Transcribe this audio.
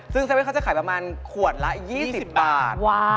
ซึ่ง๗๑๑เขาจะขายประมาณขวดละ๒๐บาท